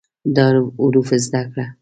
دا حروف زده کړه